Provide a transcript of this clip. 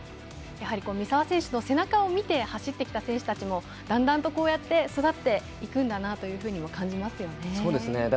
やはり三澤選手の背中を見て走ってきた選手たちもだんだんとこうやって育っていくんだなと感じますよね。